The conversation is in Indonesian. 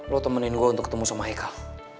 lu temenin gue untuk ketemu sama haikal